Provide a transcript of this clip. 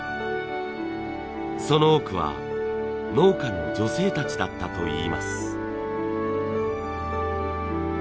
その多くは農家の女性たちだったといいます。